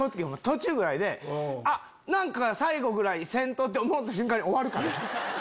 途中ぐらいで何か最後ぐらいせんと！って思った瞬間に終わるから。